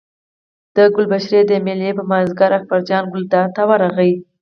د کلشپورې د مېلې په مازدیګر اکبرجان ګلداد ته ورغی.